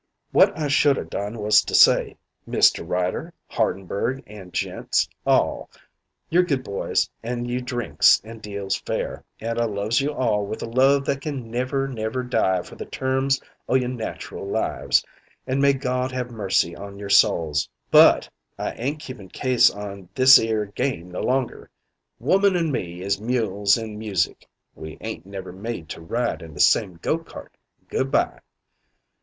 What I should a done was to say, 'Mister Ryder, Hardenberg and gents all: You're good boys an' you drinks and deals fair, an' I loves you all with a love that can never, never die for the terms o' your natural lives, an' may God have mercy on your souls; but I ain't keepin' case on this 'ere game no longer. Woman and me is mules an' music. We ain't never made to ride in the same go cart Good by.'